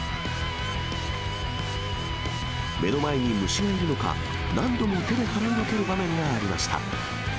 目の前に虫がいるのか、何度も手で払いのける場面がありました。